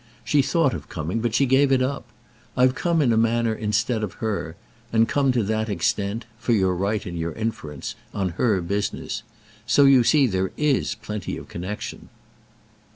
She thought of coming, but she gave it up. I've come in a manner instead of her; and come to that extent—for you're right in your inference—on her business. So you see there is plenty of connexion."